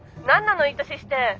何なのいい年して。